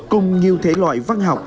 cùng nhiều thể loại văn học